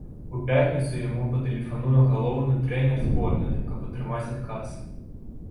У пятніцу яму патэлефануе галоўны трэнер зборнай, каб атрымаць адказ.